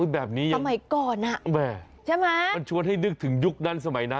อุ๊ยแบบนี้ยังใช่ไหมมันชวนให้นึกถึงยุคนั้นสมัยนั้น